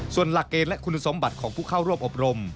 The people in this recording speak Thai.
ส่วนหลักเกณฑ์และคุณสมบัติของผู้เข้าร่วมอบรม